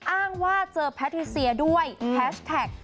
อ้างว่าเจอแพทิเซียด้วยแฮชแท็ก